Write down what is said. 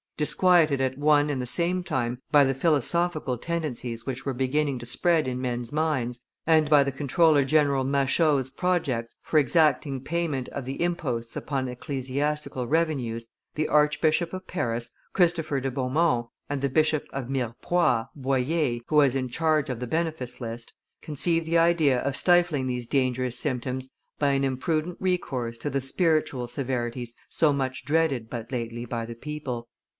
Disquieted at one and the same time by the philosophical tendencies which were beginning to spread in men's minds, and by the comptroller general Machault's projects for exacting payment of the imposts upon ecclesiastical revenues, the Archbishop of Paris, Christopher de Beaumont, and the Bishop of Mirepoix, Boyer, who was in charge of the benefice list, conceived the idea of stifling these dangerous symptoms by an imprudent recourse to the spiritual severities so much dreaded but lately by the people.